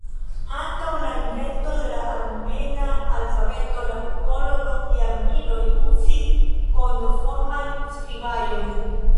Antaŭ la invento de la armena alfabeto la popolo dum jarmiloj uzis kojnoformajn skribaĵojn.